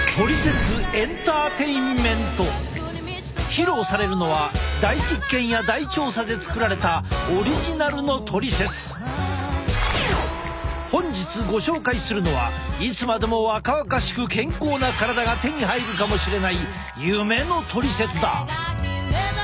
披露されるのは大実験や大調査で作られた本日ご紹介するのはいつまでも若々しく健康な体が手に入るかもしれない夢のトリセツだ。